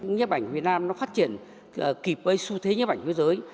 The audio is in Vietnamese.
nhiệm ảnh việt nam phát triển kịp với số thế nhiệm ảnh thế giới